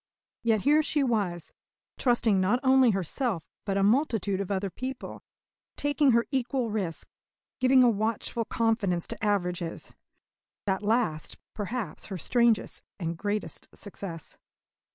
Yet here she was, trusting not only herself but a multitude of other people; taking her equal risk; giving a watchful confidence to averages that last, perhaps, her strangest and greatest success.